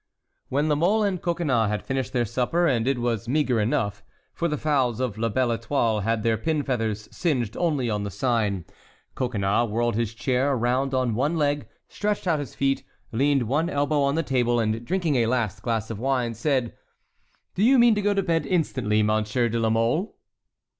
When La Mole and Coconnas had finished their supper—and it was meagre enough, for the fowls of La Belle Étoile had their pin feathers singed only on the sign—Coconnas whirled his chair around on one leg, stretched out his feet, leaned one elbow on the table, and drinking a last glass of wine, said: "Do you mean to go to bed instantly, Monsieur de la Mole?"